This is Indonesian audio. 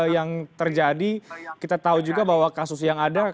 yang terjadi kita tahu juga bahwa kasus yang ada